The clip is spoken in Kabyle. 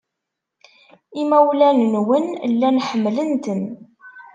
Imawlan-nwen llan ḥemmlen-ten.